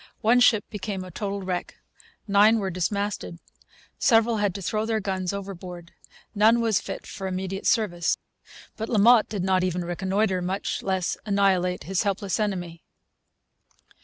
One ship became a total wreck. Nine were dismasted. Several had to throw their guns overboard. None was fit for immediate service. But La Motte did not even reconnoitre, much less annihilate, his helpless enemy.